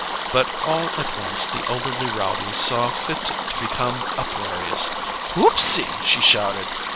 But all at once the elderly rowdy saw fit to become uproarious. "Hoopsee!" she shouted.